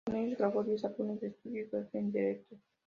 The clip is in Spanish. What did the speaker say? Con ellos grabó diez álbumes de estudio y dos en directo.